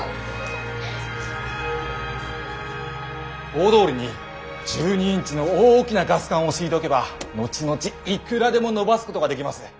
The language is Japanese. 大通りに１２インチの大きなガス管を敷いておけば後々いくらでも延ばすことができます。